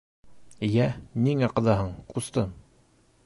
— Йә, ниңә ҡыҙаһың, ҡустым?